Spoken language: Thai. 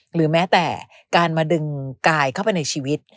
หรือแม้แต่การมาดึงกายเข้าไปในชีวิต